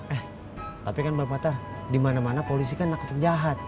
eh tapi kan bang batar di mana mana polisi kan nakapin jahat